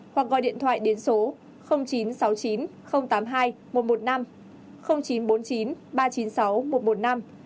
hoặc gọi điện thoại đến số chín trăm sáu mươi chín tám mươi hai một trăm một mươi năm chín trăm bốn mươi chín ba trăm chín mươi sáu một trăm một mươi năm